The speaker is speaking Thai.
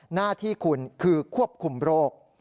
หน้าที่คุณคือควบคุมโรค